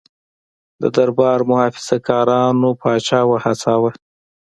د دربار محافظه کارانو پاچا وهڅاوه.